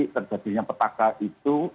terjadinya petaka itu